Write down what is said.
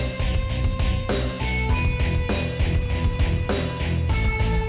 nanti perempatan pertama kita pisah